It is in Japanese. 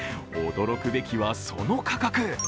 驚くべきは、その価格。